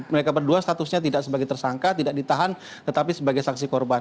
mereka berdua statusnya tidak sebagai tersangka tidak ditahan tetapi sebagai saksi korban